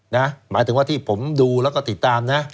หมายถึงว่าที่ผมดูแล้วก็ติดตามนะ